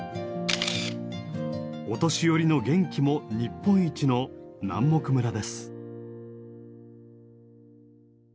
お年寄りの元気も日本一の南牧村です。